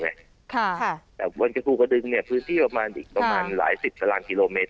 แต่วันกระทูกระดึงพื้นที่ประมาณอีกหลายสิบกระหลานกิโลเมตร